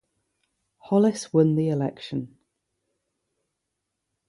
Hollis won the election.